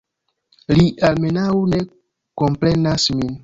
Li, almenaŭ, ne komprenas min.